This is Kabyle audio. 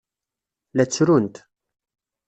La ttrunt.